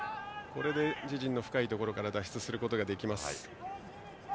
これで自陣の深いところから脱出できます。